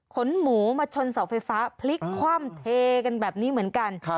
ขนหมูมาชนเสาไฟฟ้าพลิกคว่ำเทกันแบบนี้เหมือนกัน